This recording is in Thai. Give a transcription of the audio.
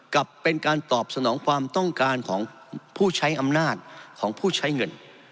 กับเป็นการตอบสนองความต้องการของผู้ใช้อำนาจของผู้ใช้เงิน